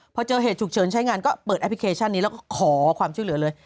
พอเจอเหตุฉุกเฉินใช้งานก็เปิดแอปพลิเคชันนี้แล้วก็ขอความช่วยเหลือเลย